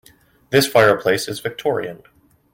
This fireplace is Victorian.